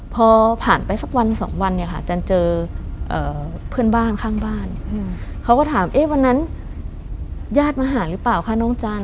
พอผ่านไปสักวันสองวันเนี่ยค่ะจันเจอเพื่อนบ้านข้างบ้านเขาก็ถามวันนั้นญาติมาหาหรือเปล่าคะน้องจัน